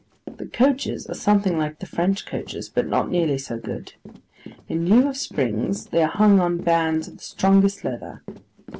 The coaches are something like the French coaches, but not nearly so good. In lieu of springs, they are hung on bands of the strongest leather.